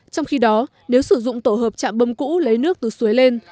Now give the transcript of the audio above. trong khi đó nếu sử dụng tổ hợp trạm bơm cũ lấy nước từ suối lên